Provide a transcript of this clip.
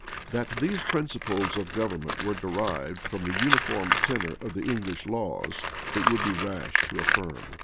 That these principles of government were derived from the uniform tenor of the English laws, it would be rash to affirm.